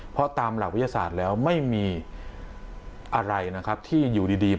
เพราะตามหลักวิทยาศาสตร์แล้วไม่มีอะไรนะครับที่อยู่ดี